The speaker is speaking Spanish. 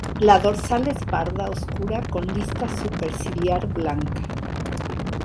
La dorsal es parda oscura con lista superciliar blanca.